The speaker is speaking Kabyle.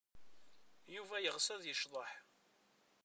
Yuba yeɣs ad yecḍeḥ.